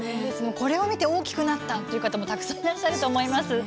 これを見て大きくなった方もたくさんいると思います。